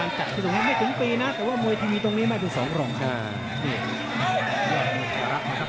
เรียนดีเหลือเกินนะลำน้ำโขงเตรียมทันกันใช้ได้เลยครับ